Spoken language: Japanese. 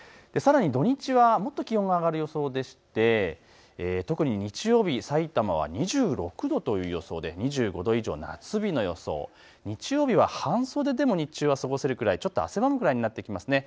さらに土日はもっと気温が上がる予想でして特に日曜日、さいたま２６度という予想で２５度以上、夏日の予想、日曜日は半袖でも日中は過ごせるくらい、ちょっと汗ばむくらいになってきます。